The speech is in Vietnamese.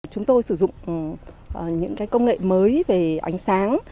chúng tôi sử dụng những công nghệ mới về ánh sáng